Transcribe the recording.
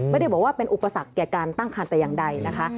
ไม่ได้บอกว่าเป็นอุปสรรคแก่การตั้งคันแต่อย่างใดนะคะ